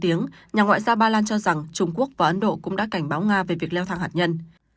trong một cuộc phỏng vấn nhà ngoại gia bài lan cho rằng trung quốc và ấn độ cũng đã cảnh báo nga về việc leo thang hạt nhân